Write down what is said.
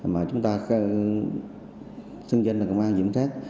mà chúng ta xưng danh là công an hay diễn sát